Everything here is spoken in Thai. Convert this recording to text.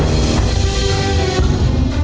สะพานหินเกิดถึงจากธรรมชาติ